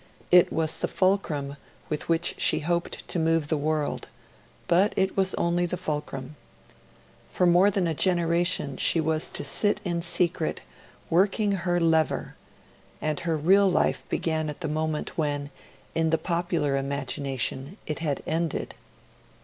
It was the fulcrum with which she hoped to move the world; but it was only the fulcrum. For more than a generation she was to sit in secret, working her lever: and her real "life" began at the very moment when, in the popular imagination, it had ended.